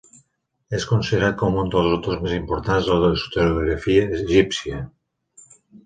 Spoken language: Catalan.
És considerat com un dels autors més importants de la historiografia egípcia.